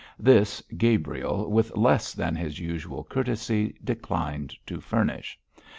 This, Gabriel, with less than his usual courtesy, declined to furnish.